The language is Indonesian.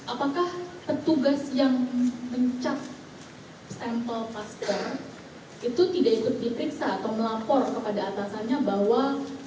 apakah petugas yang mencap sampel paspor itu tidak ikut dipriksa atau melapor kepada atasannya bahwa